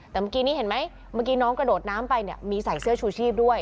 แต่เมื่อกี้นี้เห็นไหมเมื่อกี้น้องกระโดดน้ำไปเนี่ยมีใส่เสื้อชูชีพด้วย